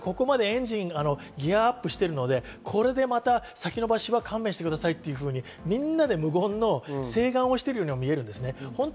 我々、ここまでギアアップしてるので、これでまた先延ばしは勘弁してくださいというように、みんなで無言の請願をしているように見える。